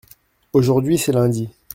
Aujourd’hui c’est lundi.